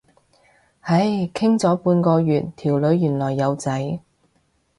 唉，傾咗半個月，條女原來有仔。